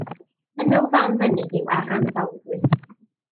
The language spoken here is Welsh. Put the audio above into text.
Enw'r fam fynydd yw Aran Fawddwy.